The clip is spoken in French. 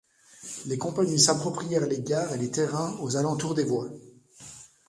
Les compagnies s'approprièrent les gares et les terrains aux alentours des voies.